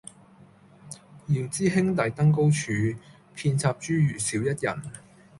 遙知兄弟登高處，遍插茱萸少一人。